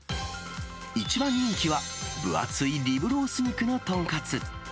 一番人気は、分厚いリブロース肉の豚カツ。